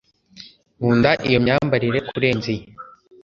Nkunda iyo myambarire kurenza iyi